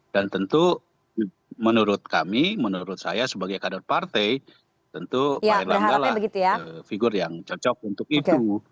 dan tentu menurut kami menurut saya sebagai kader partai tentu pak irlanda lah figur yang cocok untuk itu